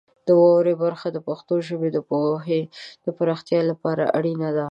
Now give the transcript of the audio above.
د واورئ برخه د پښتو ژبې د پوهې د پراختیا لپاره اړینه ده.